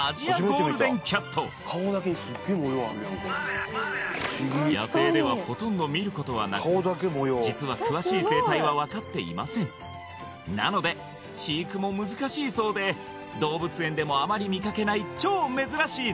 ゴールデンキャット実は詳しい生態はわかっていませんなので飼育も難しいそうで動物園でもあまり見かけない超珍しい